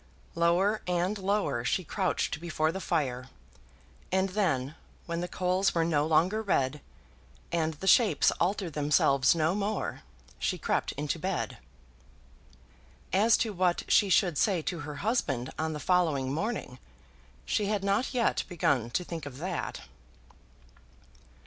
Lower and lower she crouched before the fire; and then, when the coals were no longer red, and the shapes altered themselves no more, she crept into bed. As to what she should say to her husband on the following morning, she had not yet begun to think of that.